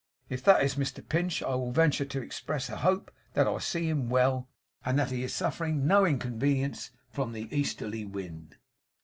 If that is Mr Pinch, I will venture to express a hope that I see him well, and that he is suffering no inconvenience from the easterly wind?